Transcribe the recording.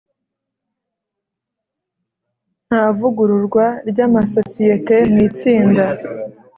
Nta vugururwa ry amasosiyete mu itsinda.